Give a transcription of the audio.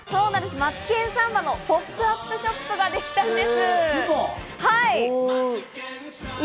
『マツケンサンバ』のポップアップショップができたんです。